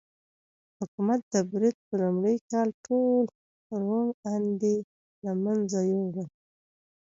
حکومت د برید په لومړي کال ټول روڼ اندي له منځه یووړل.